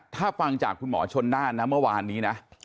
ถ้าฟังจากคุณหมอชนน่านนะเมื่อวานนี้นะ